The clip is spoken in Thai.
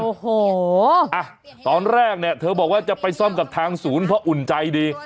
โอ้โหอ่ะตอนแรกเนี่ยเธอบอกว่าจะไปซ่อมกับทางศูนย์เพราะอุ่นใจดี